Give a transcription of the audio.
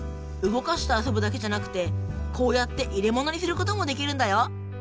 動かして遊ぶだけじゃなくてこうやっていれものにすることもできるんだよ。